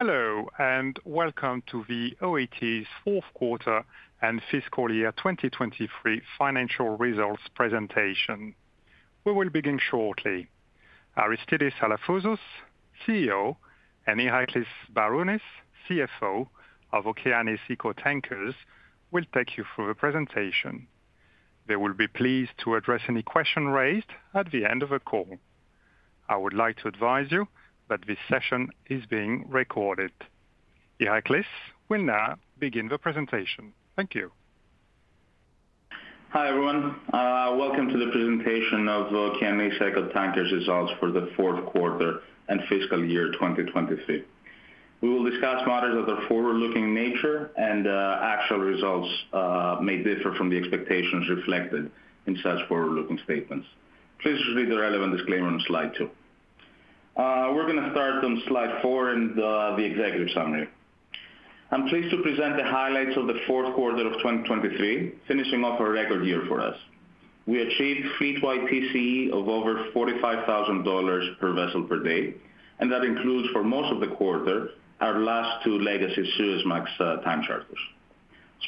Hello, and welcome to the OET's fourth quarter and fiscal year 2023 financial results presentation. We will begin shortly. Aristidis Alafouzos, CEO, and Iraklis Sbarounis, CFO of Okeanis Eco Tankers, will take you through the presentation. They will be pleased to address any question raised at the end of the call. I would like to advise you that this session is being recorded. Iraklis will now begin the presentation. Thank you. Hi, everyone. Welcome to the presentation of Okeanis Eco Tankers results for the fourth quarter and fiscal year 2023. We will discuss matters that are forward-looking in nature, and, actual results, may differ from the expectations reflected in such forward-looking statements. Please read the relevant disclaimer on slide two. We're gonna start on slide four and, the executive summary. I'm pleased to present the highlights of the fourth quarter of 2023, finishing off a record year for us. We achieved fleet-wide TCE of over $45,000 per vessel per day, and that includes, for most of the quarter, our last two legacy Suezmax time charters.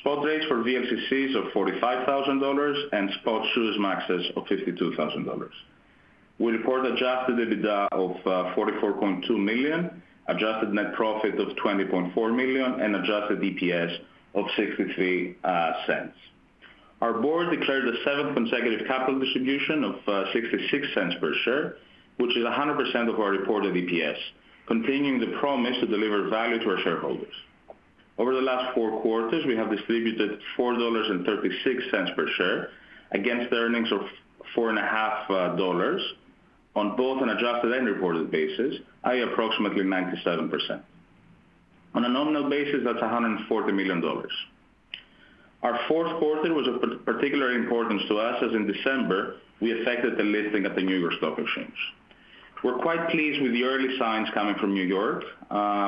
Spot rates for VLCCs of $45,000 and spot Suezmaxes of $52,000. We report adjusted EBITDA of $44.2 million, adjusted net profit of $20.4 million, and adjusted EPS of $0.63. Our board declared a seventh consecutive capital distribution of $0.66 per share, which is 100% of our reported EPS, continuing the promise to deliver value to our shareholders. Over the last four quarters, we have distributed $4.36 per share, against earnings of $4.5 on both an adjusted and reported basis, i.e., approximately 97%. On a nominal basis, that's $140 million. Our fourth quarter was of particular importance to us, as in December, we effected the listing at the New York Stock Exchange. We're quite pleased with the early signs coming from New York.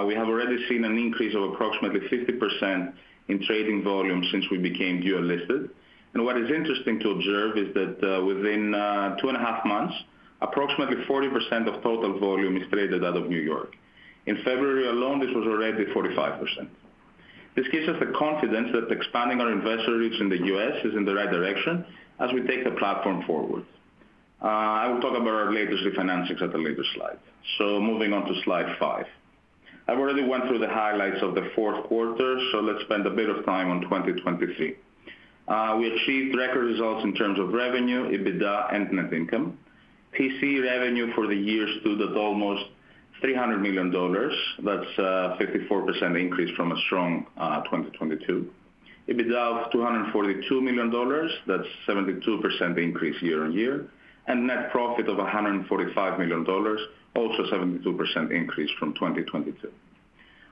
We have already seen an increase of approximately 50% in trading volume since we became dual-listed. What is interesting to observe is that, within two and a half months, approximately 40% of total volume is traded out of New York. In February alone, this was already 45%. This gives us the confidence that expanding our investor reach in the U.S. is in the right direction as we take the platform forward. I will talk about our latest refinancings at a later slide. Moving on to slide five. I've already went through the highlights of the fourth quarter, so let's spend a bit of time on 2023. We achieved record results in terms of revenue, EBITDA, and net income. TCE revenue for the year stood at almost $300 million. That's 54% increase from a strong 2022. EBITDA of $242 million, that's 72% increase year-on-year, and net profit of $145 million, also 72% increase from 2022.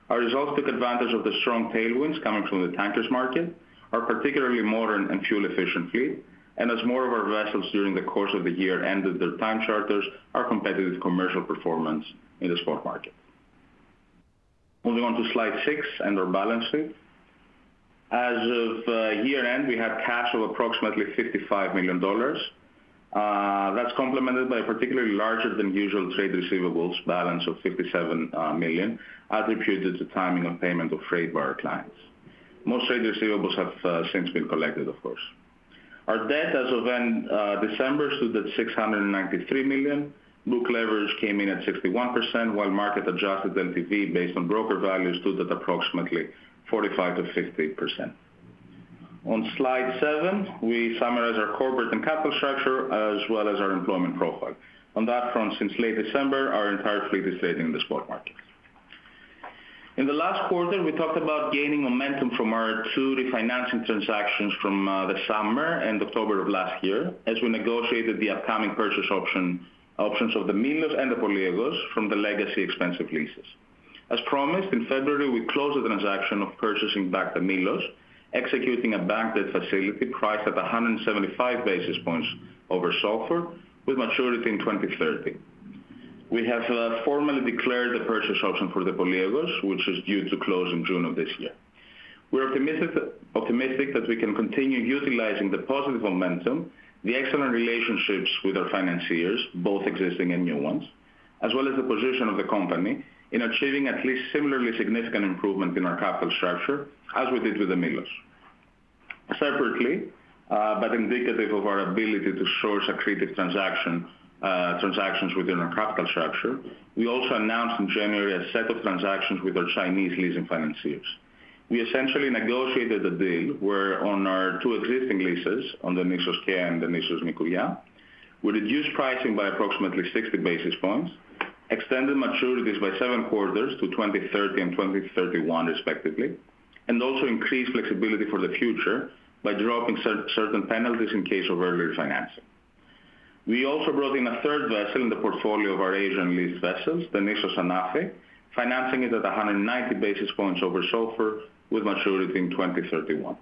Our results took advantage of the strong tailwinds coming from the tankers market, our particularly modern and fuel-efficient fleet, and as more of our vessels during the course of the year ended their time charters, our competitive commercial performance in the spot market. Moving on to slide six and our balance sheet. As of year-end, we had cash of approximately $55 million. That's complemented by a particularly larger than usual trade receivables balance of $57 million, attributed to timing of payment of freight by our clients. Most trade receivables have since been collected, of course. Our debt as of then, December, stood at $693 million. Book leverage came in at 61%, while market-adjusted LTV based on broker value stood at approximately 45%-50%. On slide seven, we summarize our corporate and capital structure, as well as our employment profile. On that front, since late December, our entire fleet is trading in the spot market. In the last quarter, we talked about gaining momentum from our two refinancing transactions from the summer and October of last year, as we negotiated the upcoming purchase option, options of the Milos and the Poliegos from the legacy expensive leases. As promised, in February, we closed the transaction of purchasing back the Milos, executing a bank debt facility priced at 175 basis points over SOFR, with maturity in 2030. We have formally declared the purchase option for the Poliegos, which is due to close in June of this year. We're optimistic that we can continue utilizing the positive momentum, the excellent relationships with our financiers, both existing and new ones, as well as the position of the company, in achieving at least similarly significant improvement in our capital structure as we did with the Milos. Separately, but indicative of our ability to source accretive transactions within our capital structure, we also announced in January a set of transactions with our Chinese leasing financiers. We essentially negotiated a deal where on our two existing leases, on the Nissos Kea and the Nissos Nikouria, we reduced pricing by approximately 60 basis points, extended maturities by seven quarters to 2030 and 2031 respectively, and also increased flexibility for the future by dropping certain penalties in case of earlier financing. We also brought in a third vessel in the portfolio of our Asian-leased vessels, the Nissos Anafi, financing it at 190 basis points over SOFR, with maturity in 2031.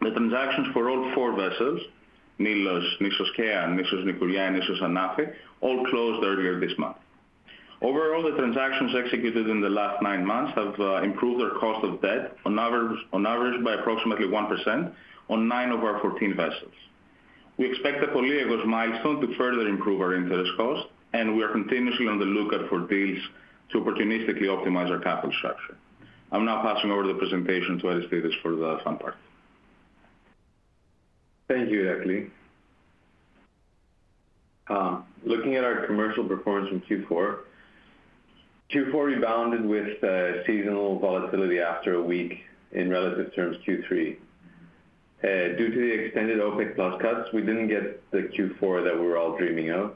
The transactions for all four vessels, Milos, Nissos Kea, Nissos Nikouria, and Nissos Anafi, all closed earlier this month. Overall, the transactions executed in the last nine months have improved our cost of debt on average by approximately 1% on nine of our 14 vessels. We expect the Poliegos milestone to further improve our interest cost, and we are continuously on the lookout for deals to opportunistically optimize our capital structure. I'm now passing over the presentation to Aristidis for the fun part. Thank you, Iraklis. Looking at our commercial performance in Q4. Q4 rebounded with seasonal volatility after a week, in relative terms, Q3. Due to the extended OPEC+ cuts, we didn't get the Q4 that we were all dreaming of.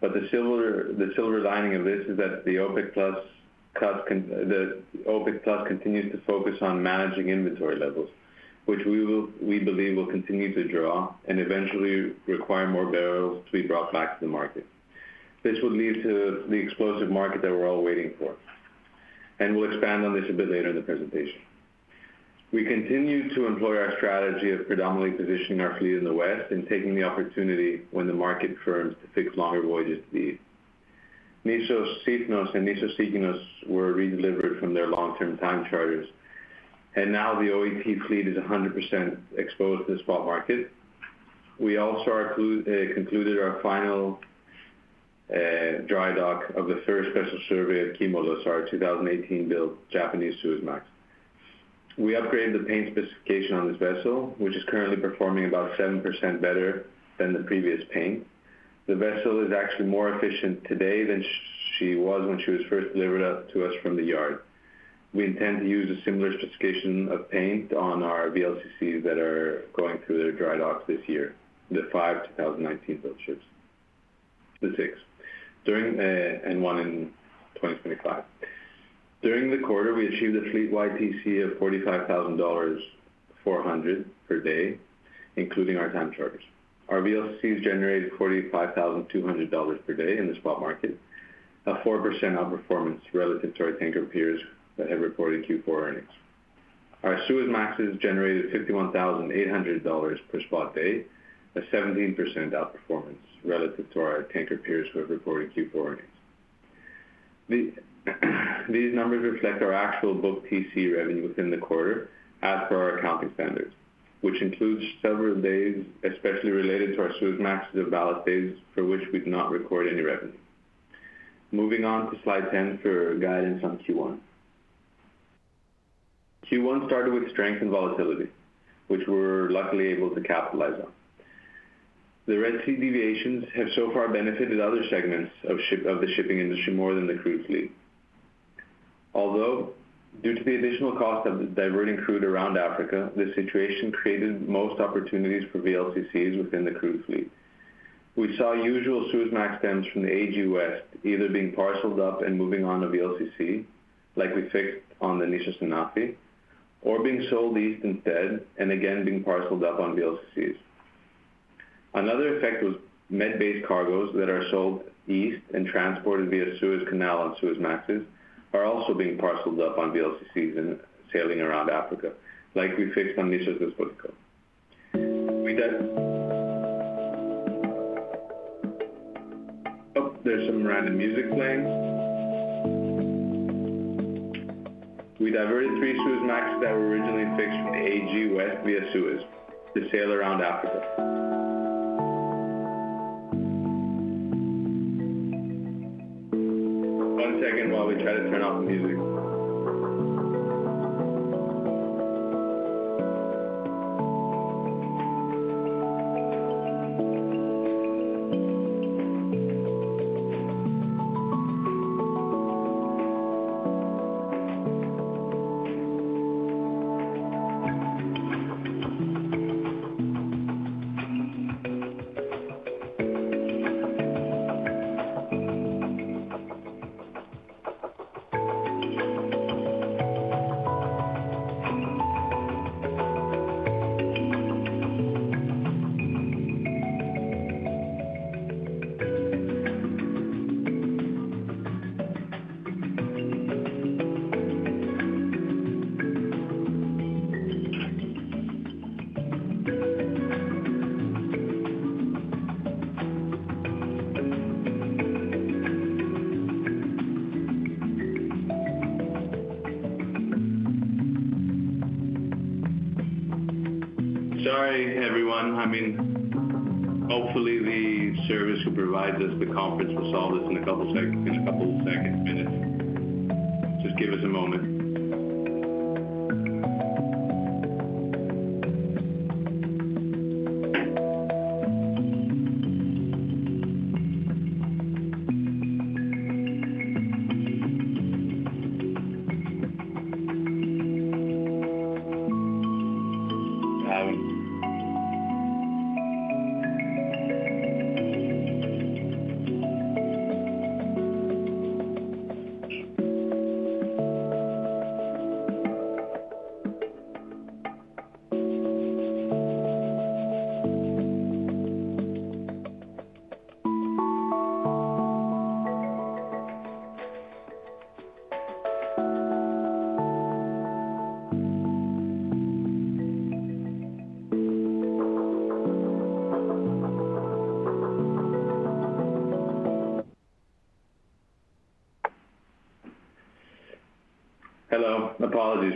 But the silver, the silver lining of this is that the OPEC+ continues to focus on managing inventory levels, which we believe will continue to draw and eventually require more barrels to be brought back to the market. This will lead to the explosive market that we're all waiting for, and we'll expand on this a bit later in the presentation. We continue to employ our strategy of predominantly positioning our fleet in the West and taking the opportunity when the market firms to fix longer voyages to the East. Nissos Sifnos and Nissos Sikinos were redelivered from their long-term time charters, and now the OET fleet is 100% exposed to the spot market. We also concluded our final dry dock of the first special survey of Kimolos, our 2018-built Japanese Suezmax. We upgraded the paint specification on this vessel, which is currently performing about 7% better than the previous paint. The vessel is actually more efficient today than she was when she was first delivered out to us from the yard. We intend to use a similar specification of paint on our VLCCs that are going through their dry docks this year, the five 2019-built ships, the six during, and one in 2025. During the quarter, we achieved a fleet-wide TC of $45,400 per day, including our time charters. Our VLCCs generated $45,200 per day in the spot market, a 4% outperformance relative to our tanker peers that have reported Q4 earnings. Our Suezmaxes generated $51,800 per spot day, a 17% outperformance relative to our tanker peers who have reported Q4 earnings. These numbers reflect our actual booked TC revenue within the quarter as per our accounting standards, which includes several days, especially related to our Suezmaxes, of ballast days for which we've not recorded any revenue. Moving on to slide 10 for guidance on Q1. Q1 started with strength and volatility, which we're luckily able to capitalize on. The Red Sea deviations have so far benefited other segments of the shipping industry more than the crude fleet. Although, due to the additional cost of diverting crude around Africa, this situation created most opportunities for VLCCs within the crude fleet. We saw usual Suezmax stems from the AG West either being parceled up and moving on to VLCC, like we fixed on the Nissos Anafi, or being sold east instead, and again, being parceled up on VLCCs. Another effect was Med-based cargoes that are sold east and transported via Suez Canal on Suezmaxes, are also being parceled up on VLCCs and sailing around Africa, like we fixed on Nissos Despotiko. We did... Oh, there's some random music playing. We diverted three Suezmaxes that were originally fixed from the AG West via Suez to sail around Africa. One second while we try to turn off the music. Sorry, everyone. I mean, hopefully, the service who provides us the conference will solve this in a couple of seconds,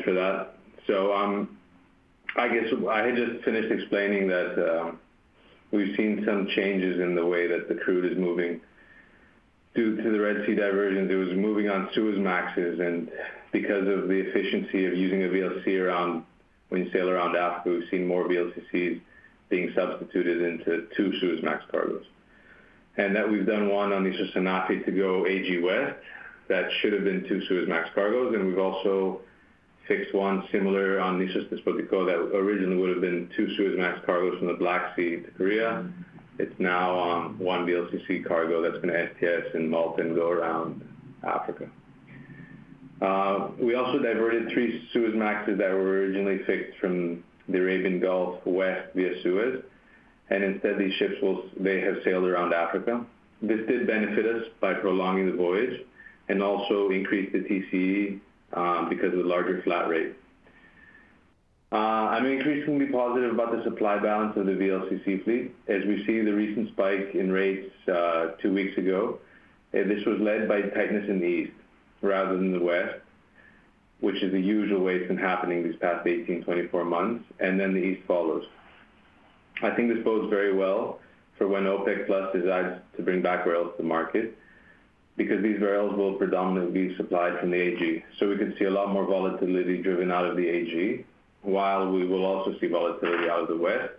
minutes. Just give us a moment. Apologies for that. So, I guess I had just finished explaining that we've seen some changes in the way that the crude is moving. Due to the Red Sea diversion, it was moving on Suezmaxes, and because of the efficiency of using a VLCC around, when you sail around Africa, we've seen more VLCCs being substituted into two Suezmax cargoes. And that we've done one on the Nissos Anafi to go AG West. That should have been two Suezmax cargoes, and we've also fixed one similar on Nissos Despotiko, that originally would have been two Suezmax cargoes from the Black Sea to Korea. It's now on one VLCC cargo that's going to STS in Malta and go around Africa. We also diverted three Suezmaxes that were originally fixed from the Arabian Gulf west via Suez, and instead, these ships will, they have sailed around Africa. This did benefit us by prolonging the voyage and also increased the TCE because of the larger flat rate. I'm increasingly positive about the supply balance of the VLCC fleet. As we've seen the recent spike in rates two weeks ago, and this was led by tightness in the east rather than the west, which is the usual way it's been happening these past 18, 24 months, and then the east follows. I think this bodes very well for when OPEC+ decides to bring back barrels to the market, because these barrels will predominantly be supplied from the AG. So we could see a lot more volatility driven out of the AG, while we will also see volatility out of the West.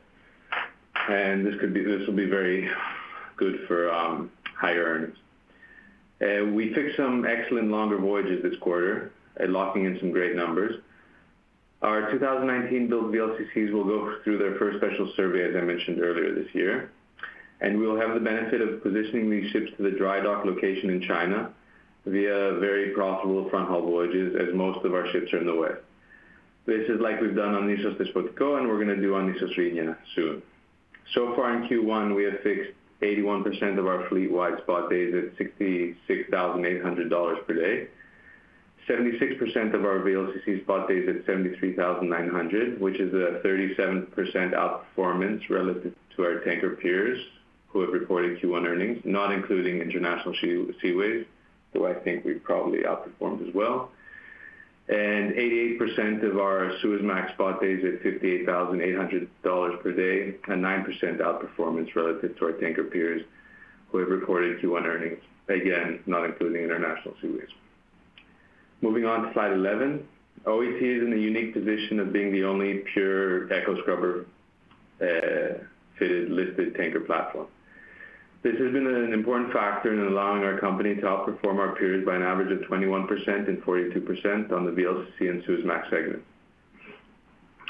And this could be—this will be very good for higher earnings. We fixed some excellent longer voyages this quarter, and locking in some great numbers. Our 2019-built VLCCs will go through their first special survey, as I mentioned earlier, this year, and we'll have the benefit of positioning these ships to the dry dock location in China via very profitable front-haul voyages, as most of our ships are in the way. This is like we've done on Nissos Despotiko, and we're going to do on Nissos Rhenia soon. So far in Q1, we have fixed 81% of our fleet-wide spot days at $66,800 per day. 76% of our VLCC spot days at $73,900, which is a 37% outperformance relative to our tanker peers who have reported Q1 earnings, not including International Seaways, who I think we've probably outperformed as well. 88% of our Suezmax spot days at $58,800 per day, a 9% outperformance relative to our tanker peers who have reported Q1 earnings. Again, not including International Seaways. Moving on to slide 11. OET is in the unique position of being the only pure eco-scrubber-fitted, listed tanker platform. This has been an important factor in allowing our company to outperform our peers by an average of 21% and 42% on the VLCC and Suezmax segment.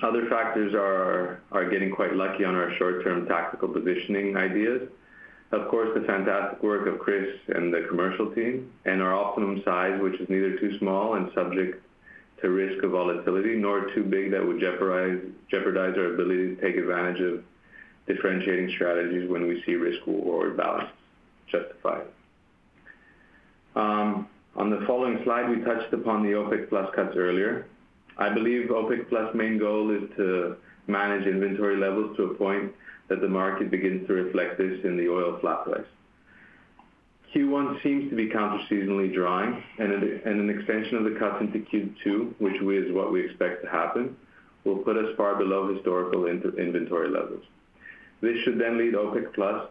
Other factors are getting quite lucky on our short-term tactical positioning ideas. Of course, the fantastic work of Chris and the commercial team, and our optimum size, which is neither too small and subject to risk of volatility, nor too big that would jeopardize our ability to take advantage of differentiating strategies when we see risk or reward balance justified. On the following slide, we touched upon the OPEC+ cuts earlier. I believe OPEC+ main goal is to manage inventory levels to a point that the market begins to reflect this in the oil flat price. Q1 seems to be counterseasonally drying, and an extension of the cuts into Q2, which is what we expect to happen, will put us far below historical inventory levels. This should then lead OPEC+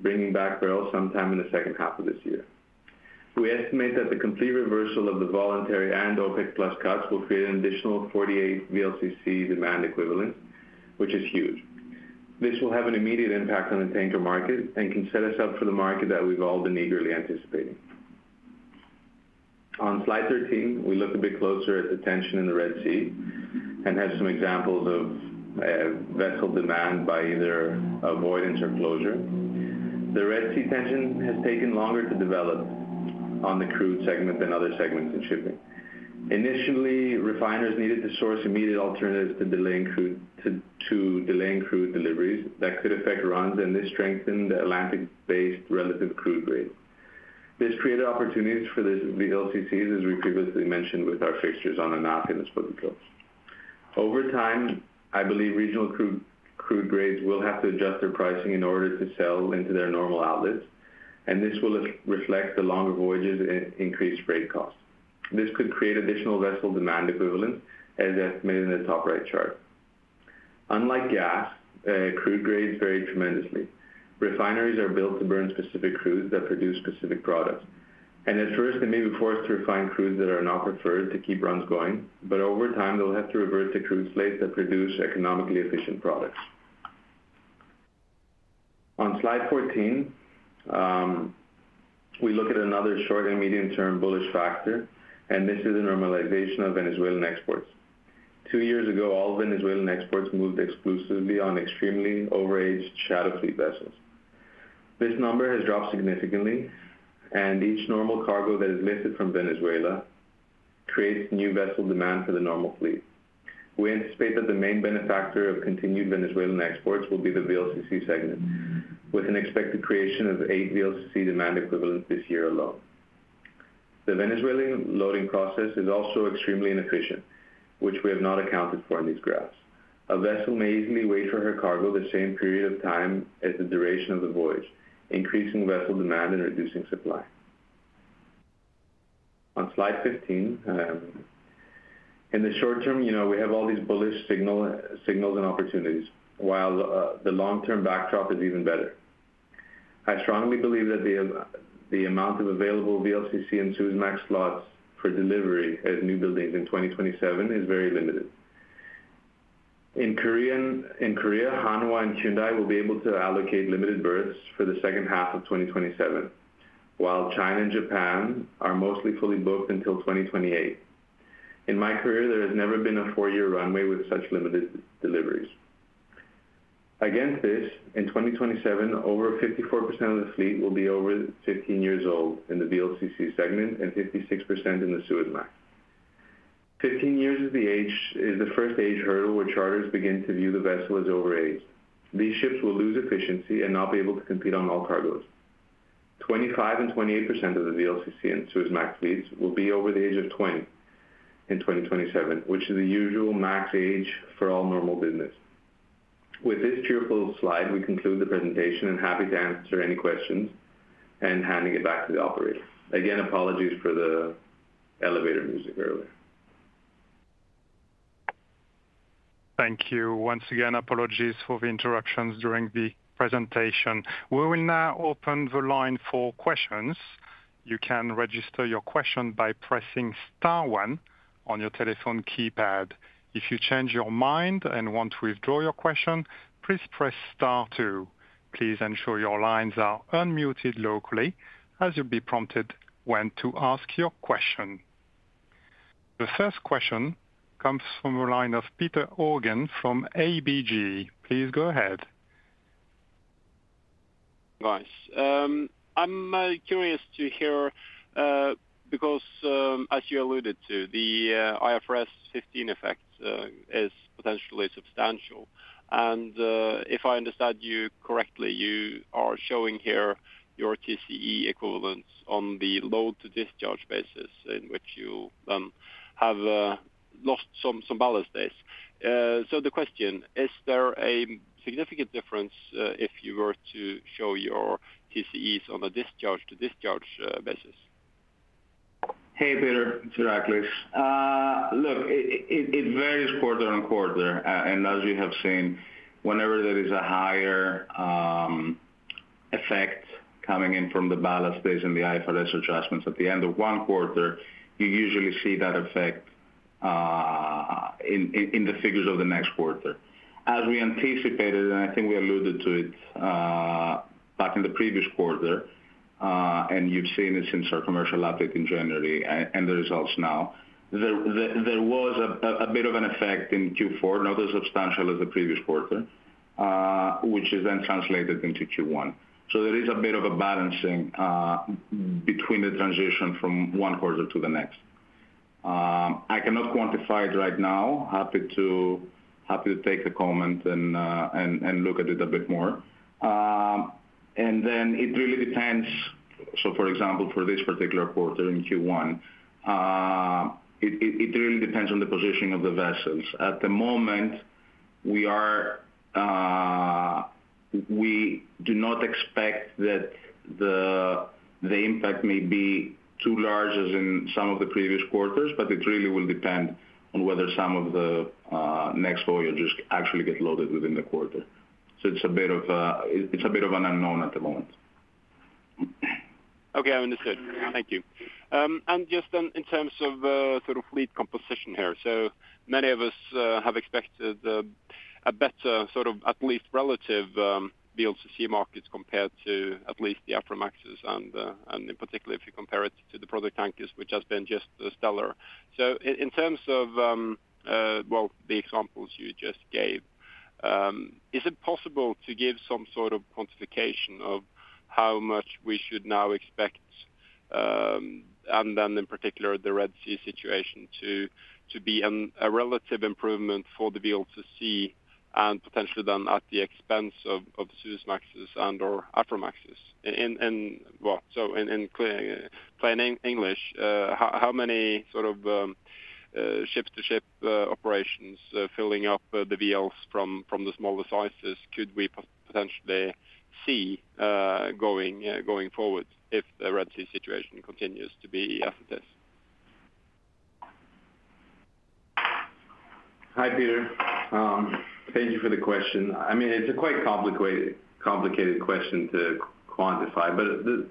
bringing back barrels sometime in the second half of this year. We estimate that the complete reversal of the voluntary and OPEC+ cuts will create an additional 48 VLCC demand equivalent, which is huge. This will have an immediate impact on the tanker market and can set us up for the market that we've all been eagerly anticipating. On slide 13, we look a bit closer at the tension in the Red Sea and have some examples of vessel demand by either avoidance or closure. The Red Sea tension has taken longer to develop on the crude segment than other segments in shipping. Initially, refiners needed to source immediate alternatives to delaying crude deliveries that could affect runs, and this strengthened the Atlantic-based relative crude grade. This created opportunities for the VLCCs, as we previously mentioned, with our fixtures on Anafi and Despotiko. Over time, I believe regional crude grades will have to adjust their pricing in order to sell into their normal outlets, and this will reflect the longer voyages and increased freight costs. This could create additional vessel demand equivalent, as estimated in the top right chart. Unlike gas, crude grades vary tremendously. Refineries are built to burn specific crudes that produce specific products, and at first, they may be forced to refine crudes that are not preferred to keep runs going, but over time, they'll have to revert to crude slates that produce economically efficient products. On slide 14, we look at another short- and medium-term bullish factor, and this is the normalization of Venezuelan exports. Two years ago, all Venezuelan exports moved exclusively on extremely overaged shadow fleet vessels. This number has dropped significantly, and each normal cargo that is lifted from Venezuela creates new vessel demand for the normal fleet. We anticipate that the main benefactor of continued Venezuelan exports will be the VLCC segment, with an expected creation of eight VLCC demand equivalent this year alone. The Venezuelan loading process is also extremely inefficient, which we have not accounted for in these graphs. A vessel may easily wait for her cargo the same period of time as the duration of the voyage, increasing vessel demand and reducing supply. On slide 15, in the short term, you know, we have all these bullish signals and opportunities, while the long-term backdrop is even better. I strongly believe that the amount of available VLCC and Suezmax slots for delivery as new buildings in 2027 is very limited. In Korea, Hanwha and Hyundai will be able to allocate limited berths for the second half of 2027, while China and Japan are mostly fully booked until 2028. In my career, there has never been a four-year runway with such limited deliveries. Against this, in 2027, over 54% of the fleet will be over 15 years old in the VLCC segment and 56% in the Suezmax. 15 years is the age, is the first age hurdle where charters begin to view the vessel as overaged. These ships will lose efficiency and not be able to compete on all cargoes. 25% and 28% of the VLCC and Suezmax fleets will be over the age of 20 in 2027, which is the usual max age for all normal business. With this cheerful slide, we conclude the presentation and happy to answer any questions, and handing it back to the operator. Again, apologies for the elevator music earlier. Thank you. Once again, apologies for the interruptions during the presentation. We will now open the line for questions. You can register your question by pressing star one on your telephone keypad. If you change your mind and want to withdraw your question, please press star two. Please ensure your lines are unmuted locally as you'll be prompted when to ask your question. The first question comes from the line of Petter Haugen from ABG. Please go ahead. Nice. I'm curious to hear, because, as you alluded to, the IFRS 15 effect is potentially substantial. And, if I understand you correctly, you are showing here your TCE equivalence on the load to discharge basis, in which you have lost some ballast days. So the question is there a significant difference if you were to show your TCEs on a discharge-to-discharge basis? Hey, Petter. It's Iraklis. Look, it varies quarter-on-quarter. And as you have seen, whenever there is a higher effect coming in from the ballast days and the IFRS adjustments at the end of one quarter, you usually see that effect in the figures of the next quarter. As we anticipated, and I think we alluded to it back in the previous quarter, and you've seen it since our commercial update in January, and the results now, there was a bit of an effect in Q4, not as substantial as the previous quarter, which is then translated into Q1. So there is a bit of a balancing between the transition from one quarter to the next. I cannot quantify it right now. Happy to take a comment and look at it a bit more. Then it really depends. So for example, for this particular quarter in Q1, it really depends on the positioning of the vessels. At the moment, we do not expect that the impact may be too large as in some of the previous quarters, but it really will depend on whether some of the next voyages actually get loaded within the quarter. So it's a bit of an unknown at the moment. Okay, I understand. Thank you. And just then in terms of, sort of fleet composition here, so many of us have expected, a better sort of at least relative, VLCC markets compared to at least the Aframaxes and in particular, if you compare it to the product tankers, which has been just stellar. So in, in terms of, well, the examples you just gave, is it possible to give some sort of quantification of how much we should now expect, and then in particular, the Red Sea situation, to be a relative improvement for the VLCC and potentially then at the expenseof the Suezmaxes and/or Aframaxes? Well, so in clear, plain English, how many sort of ship-to-ship operations filling up the VLs from the smaller sizes could we potentially see going forward if the Red Sea situation continues to be as it is? Hi, Petter. Thank you for the question. I mean, it's a quite complicated question to quantify, but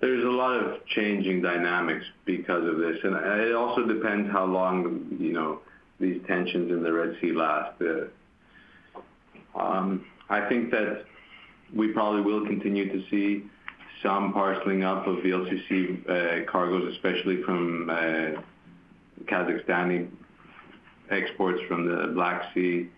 there's a lot of changing dynamics because of this, and it also depends how long, you know, these tensions in the Red Sea last. I think that we probably will continue to see some parceling up of VLCC cargoes, especially from Kazakhstani exports from the Black Sea,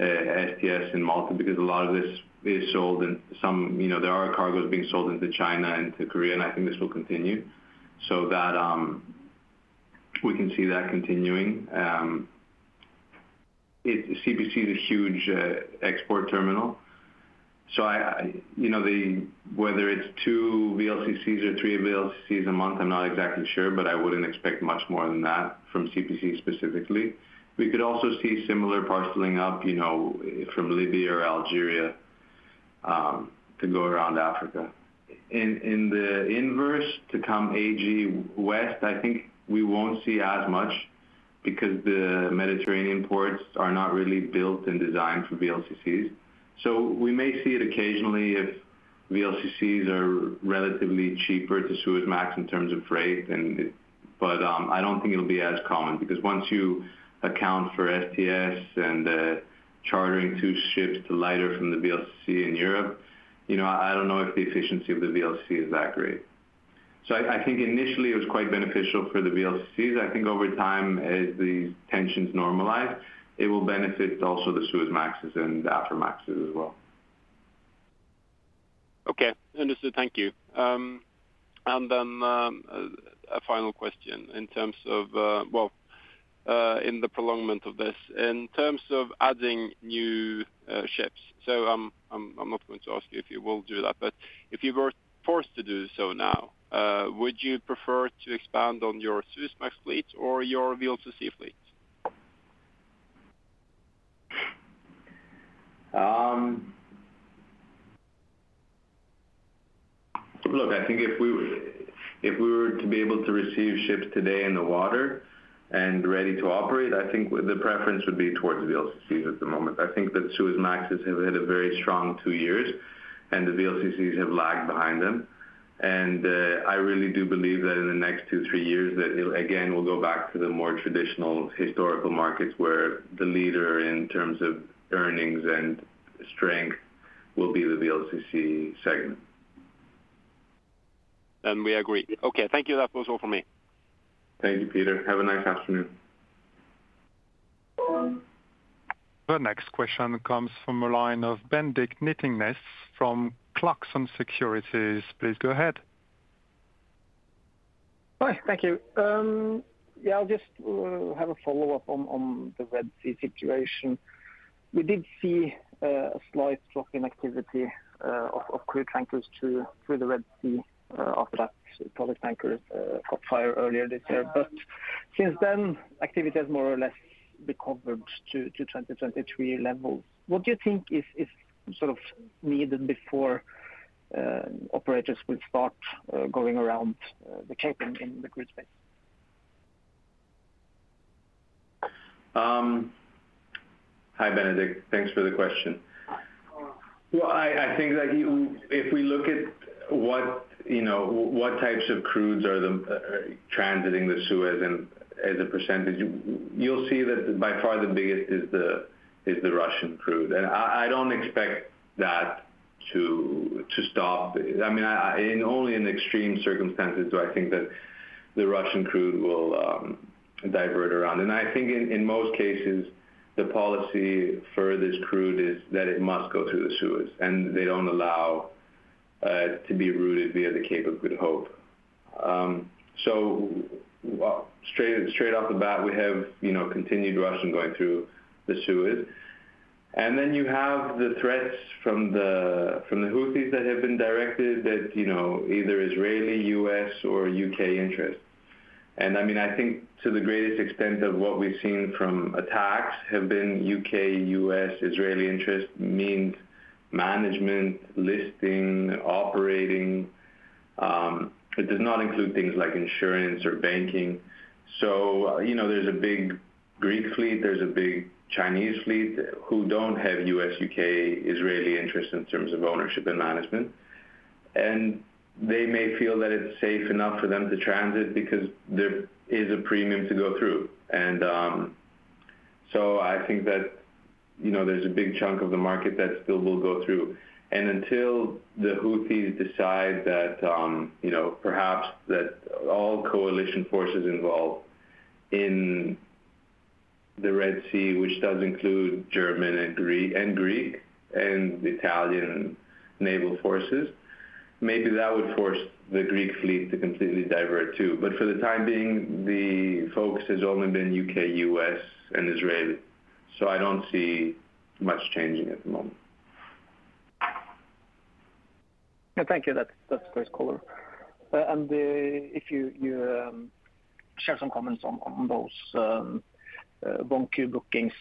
STS in Malta, because a lot of this is sold and some you know, there are cargoes being sold into China and to Korea, and I think this will continue. So that, we can see that continuing. CPC is a huge export terminal, so You know, whether it's two VLCCs or three VLCCs a month, I'm not exactly sure, but I wouldn't expect much more than that from CPC specifically. We could also see similar parceling up, you know, from Libya or Algeria to go around Africa. In the inverse, to come AG West, I think we won't see as much because the Mediterranean ports are not really built and designed for VLCCs. So we may see it occasionally if VLCCs are relatively cheaper to Suezmax in terms of freight, but I don't think it'll be as common, because once you account for STS and the chartering two ships to lighter from the VLCC in Europe, you know, I don't know if the efficiency of the VLCC is that great. So I think initially, it was quite beneficial for the VLCCs. I think over time, as the tensions normalize, it will benefit also the Suezmaxes and the Aframaxes as well. Okay, understood. Thank you. And then, a final question in terms of, well, in the prolongment of this. In terms of adding new ships, so I'm not going to ask you if you will do that, but if you were forced to do so now, would you prefer to expand on your Suezmax fleet or your VLCC fleet? Look, I think if we were, if we were to be able to receive ships today in the water and ready to operate, I think the preference would be towards VLCCs at the moment. I think that Suezmaxes have had a very strong two years, and the VLCCs have lagged behind them. And, I really do believe that in the next two, three years, that, again, we'll go back to the more traditional historical markets, where the leader in terms of earnings and strength will be the VLCC segment. Then we agree. Okay, thank you. That was all for me. Thank you, Petter. Have a nice afternoon. The next question comes from the line of Bendik Nyttingnes from Clarksons Securities. Please go ahead. Hi, thank you. Yeah, I'll just have a follow-up on the Red Sea situation. We did see a slight drop in activity of crude tankers through the Red Sea after that product tanker caught fire earlier this year. But since then, activity has more or less recovered to 2023 level. What do you think is sort of needed before operators will start going around the Cape in the crude space? Hi, Bendik. Thanks for the question. Well, I think that you—if we look at what, you know, what types of crudes are transiting the Suez and as a percentage, you'll see that by far the biggest is the Russian crude. And I don't expect that to stop. I mean, only in extreme circumstances do I think that the Russian crude will divert around. And I think in most cases, the policy for this crude is that it must go through the Suez, and they don't allow to be routed via the Cape of Good Hope. So, straight off the bat, we have, you know, continued Russian going through the Suez. Then you have the threats from the Houthis that have been directed that, you know, either Israeli, U.S., or U.K. interest. I mean, I think to the greatest extent of what we've seen from attacks have been U.K., U.S., Israeli interest, means management, listing, operating. It does not include things like insurance or banking. So, you know, there's a big Greek fleet, there's a big Chinese fleet who don't have U.S., U.K., Israeli interest in terms of ownership and management. And they may feel that it's safe enough for them to transit because there is a premium to go through. So I think that, you know, there's a big chunk of the market that still will go through. Until the Houthis decide that, you know, perhaps that all coalition forces involved in the Red Sea, which does include German and Greek and Italian naval forces, maybe that would force the Greek fleet to completely divert, too. But for the time being, the focus has only been U.K., U.S., and Israeli, so I don't see much changing at the moment. Thank you. That's great color. And if you share some comments on those long queue bookings,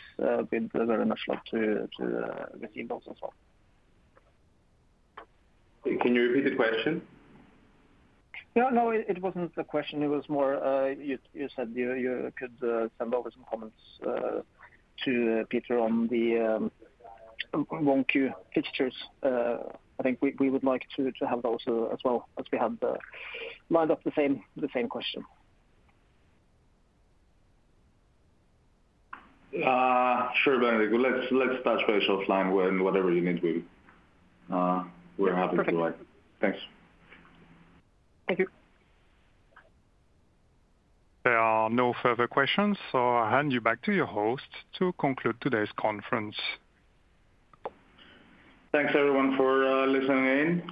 we'd very much like to receive those as well. Can you repeat the question? No, no, it wasn't a question. It was more, you said you could send over some comments to Petter on the long queue fixtures. I think we would like to have those as well, as we have the lined up the same, the same question. Sure, Bendik. Let's touch base offline whenever you need me. We're happy to like— Perfect. Thanks. Thank you. There are no further questions, so I hand you back to your host to conclude today's conference. Thanks, everyone, for listening in.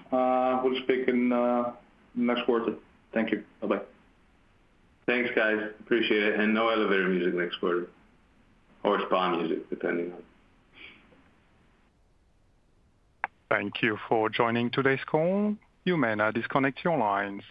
We'll speak in next quarter. Thank you. Bye-bye. Thanks, guys. Appreciate it, and no elevator music next quarter, or spa music, depending on. Thank you for joining today's call. You may now disconnect your lines.